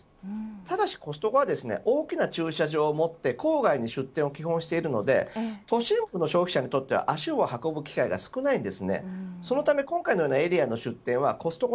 ただしコストコは大きな駐車場を持っていて郊外に出店を基本しているので都市部の消費者にとっては足を運ぶ機会が少ないです。